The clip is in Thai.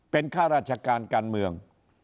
เป็นข้าราชการการเมือง